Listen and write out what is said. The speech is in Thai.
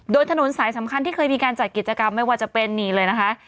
โดยถนนสายสำคัญที่เคยมีการจัดกิจกรรมไม่ว่าจะเป็นนี่เลยนะคะ